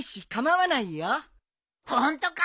ホントか！